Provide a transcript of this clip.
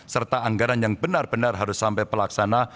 serta anggaran yang benar benar harus sampai pelaksana